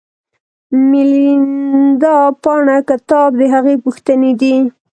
د میلیندا پانه کتاب د هغه پوښتنې دي